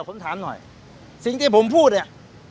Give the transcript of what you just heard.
ผมถามหน่อยสิ่งที่ผมพูดเนี่ย